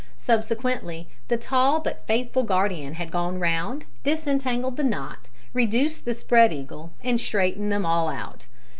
Subsequently the tall but faithful guardian had gone round, disentangled the knot, reduced the spread eagle, and straightened them all out.